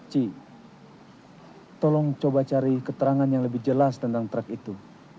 ci tolong coba cari keterangan yang lebih jelas tentang track itu